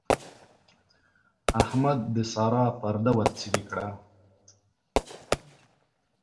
احمد د سارا پرده ورڅېرې کړه.